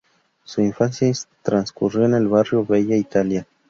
Su infancia transcurrió en el barrio Bella Italia.